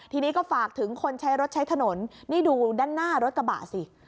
ทีนี้ก็ฝากถึงคนใช้รถใช้ถนนนี่ดูด้านหน้ารถกระบะสิ